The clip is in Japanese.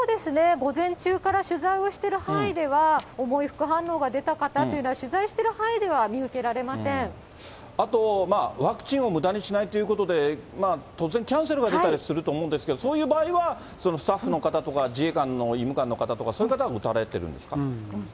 午前中から取材をしている範囲では、重い副反応が出た方というのは、取材している範囲では見受けられあと、ワクチンをむだにしないということで、突然キャンセルが出たりすると思うんですけど、そういう場合は、スタッフの方とか、自衛官の医務官の方とか、そういう方が打たれてるんですか。